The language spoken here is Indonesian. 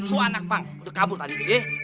lo anak pang udah kabur tadi